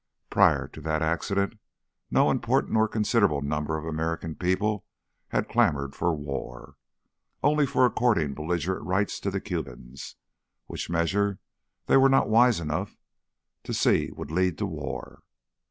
Prior to that accident no important or considerable number of the American people had clamoured for war, only for according belligerent rights to the Cubans, which measure they were not wise enough to see would lead to war.